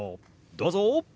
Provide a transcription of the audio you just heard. どうぞ！